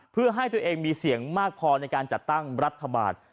เพื่อให้ตัวเองมีเสียงมากพอในการจัดตั้งรัฐบาล